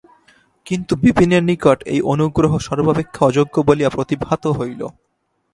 কিন্তু বিপিনের নিকট এই অনুগ্রহ সর্বাপেক্ষা অযোগ্য বলিয়া প্রতিভাত হইল।